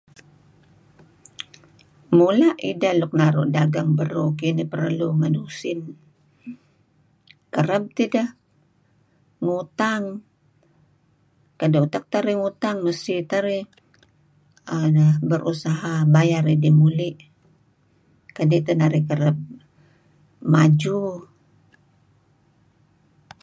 Mula' ideh nuk dagang beruh kinih perlu ngan usin, kereb tidah ngutang keneh utak narih ngutang mesti teh arih err berusaha bayar idih muli' kidih teh narih kereb maju.